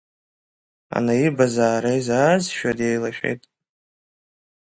Анаиб азаара изаазшәа деилашәеит…